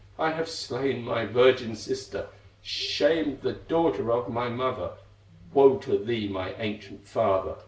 I have slain my virgin sister, Shamed the daughter of my mother; Woe to thee, my ancient father!